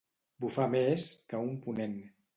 Bufar més que un ponent.